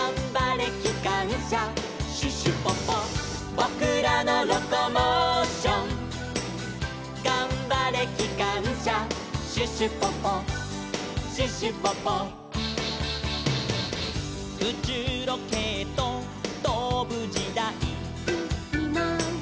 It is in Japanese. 「ぼくらのロコモーション」「がんばれきかんしゃ」「シュシュポポシュシュポポ」「うちゅうロケットとぶじだい」